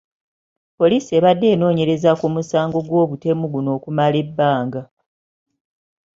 Poliisi ebadde enoonyereza ku musango gw'obutemu guno okumala ebbanga.